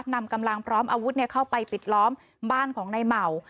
นำกำลังพร้อมอาวุธเข้าไปปิดล้อมบ้านของในเหมา